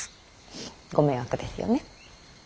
ご迷惑ですよね。